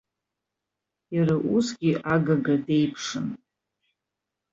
Иара усгьы агага деиԥшын.